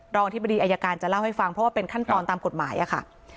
อธิบดีอายการจะเล่าให้ฟังเพราะว่าเป็นขั้นตอนตามกฎหมายอะค่ะ